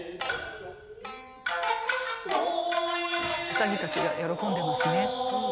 兎たちが喜んでますね。